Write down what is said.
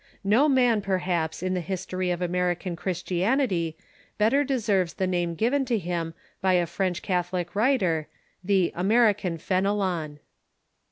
No man, perhaps, in the history of American Christianity, better deserves the name given to him bv a French Catholic writer — the "American Fenelon."